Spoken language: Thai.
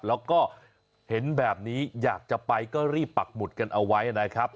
แล้วก็เห็นแบบนี้อยากจะไปก็รีบปักหมุดกันเอาไว้นะครับ